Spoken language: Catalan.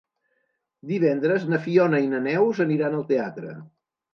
Divendres na Fiona i na Neus aniran al teatre.